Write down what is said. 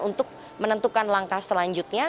untuk menentukan langkah selanjutnya